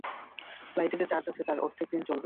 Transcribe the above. লাইটে যে চার্জ আছে আর অর্ধেক দিন চলবে!